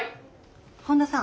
本田さん